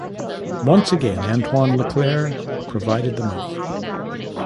Once again Antoine LeClaire provided the money.